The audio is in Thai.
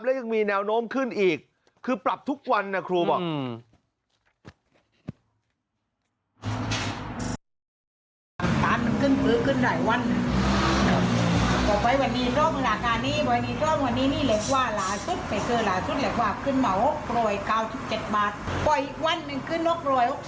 และยังมีแนวโน้มขึ้นอีกคือปรับทุกวันนะครูบอก